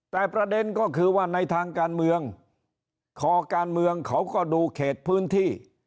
แต่ประเด็นก็คือว่าในทางการเมืองคอการเมืองเขาก็ดูเขตพื้นที่